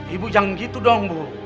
ibu jangan gitu dong bu